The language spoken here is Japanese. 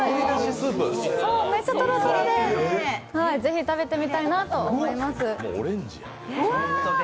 めっちゃとろとろでぜひ食べてみたいなと思います。